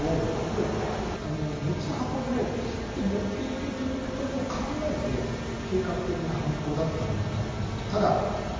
そうなると、頭部を持ち運ぶ持っていくということも考えて計画的な犯行だったのではないかなと。